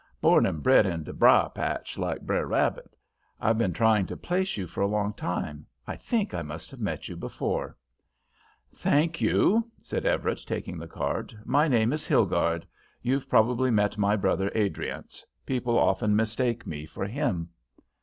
Born and bred in de briar patch, like Br'er Rabbit. I've been trying to place you for a long time; I think I must have met you before." "Thank you," said Everett, taking the card; "my name is Hilgarde. You've probably met my brother, Adriance; people often mistake me for him."